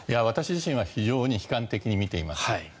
私自身は非常に悲観的に見ています。